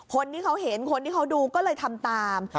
คนที่เขาเห็นคนที่เขาดูก็เลยทำตาม